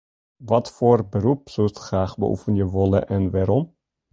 Watfoar berop soest graach beoefenje wolle en wêrom?